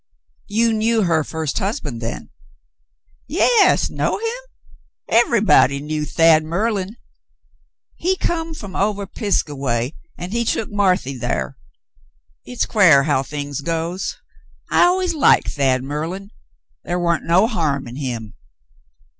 "You knew her first husband, then ?^^ "Yas, know him.? Ev'ybody knew Thad Merlin. He come fom ovah Pisgah way, an' he took Marthy thar. Hit's quare how things goes. I always liked Thad Merlin. The' wa'n't no harm in him."